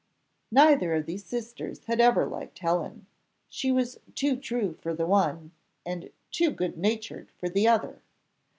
Neither of these sisters had ever liked Helen; she was too true for the one, and too good natured for the other.